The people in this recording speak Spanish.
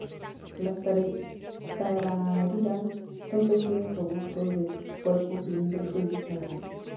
Las tarariras son peces robustos, de cuerpo cilíndrico y boca grande.